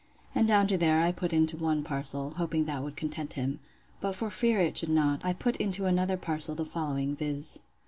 And down to here, I put into one parcel, hoping that would content him. But for fear it should not, I put into another parcel the following; viz.